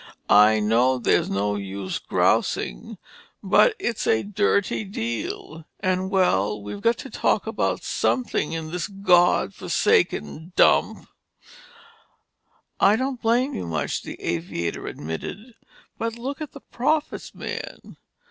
"I know there's no use grousing—but it's a dirty deal—and well, we've got to talk about something in this God forsaken dump!" "I don't blame you much," the aviator admitted, "but look at the profits, man.